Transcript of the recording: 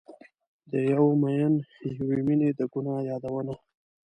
د یو میین یوې میینې د ګناه یادونه